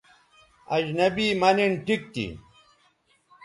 اجنبی مہ نِن ٹھیک تھی